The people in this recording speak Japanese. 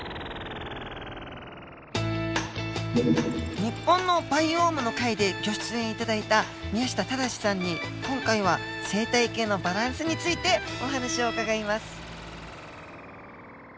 「日本のバイオーム」の回でギョ出演頂いた宮下直さんに今回は生態系のバランスについてお話を伺います。